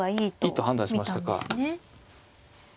いいと判断しましたか。